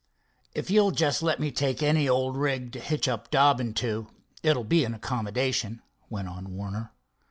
"If you'll just let me take any old rig to hitch up Dobbin to, it'll be an accommodation," went on Warner.